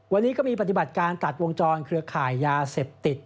วันนี้ก็มีปฏิบัติการตัดวงจรเครือข่ายยาเสพติด